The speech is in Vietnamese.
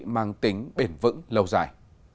mang tính bền vững lâu dài